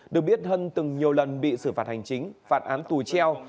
được biết hân từng nhiều lần bị xử phạt hành chính phạt án tù treo